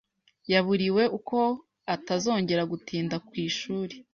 Yaburiwe ko atazongera gutinda ku ishuri.